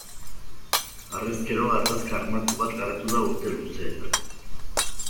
Harrezkero gatazka armatu bat garatu da urte luzeetan.